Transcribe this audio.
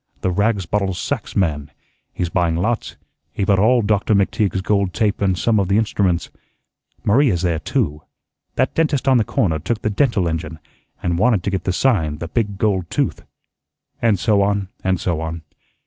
the rags bottles sacks man; he's buying lots; he bought all Doctor McTeague's gold tape and some of the instruments. Maria's there too. That dentist on the corner took the dental engine, and wanted to get the sign, the big gold tooth," and so on and so on.